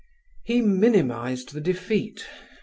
He minimised the defeat.